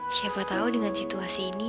siapa tahu dengan situasi ini